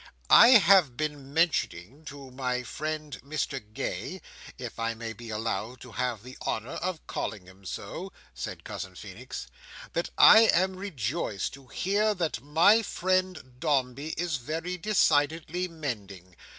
"I have been mentioning to my friend Mr Gay, if I may be allowed to have the honour of calling him so," said Cousin Feenix, "that I am rejoiced to hear that my friend Dombey is very decidedly mending.